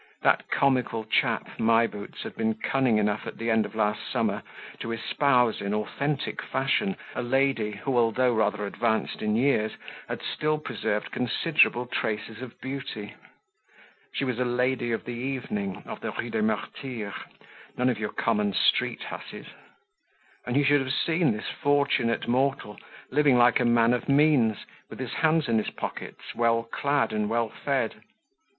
That comical chap, My Boots, had been cunning enough at the end of last summer to espouse in authentic fashion a lady who, although rather advanced in years, had still preserved considerable traces of beauty. She was a lady of the evening of the Rue des Martyrs, none of your common street hussies. And you should have seen this fortunate mortal, living like a man of means, with his hands in his pockets, well clad and well fed.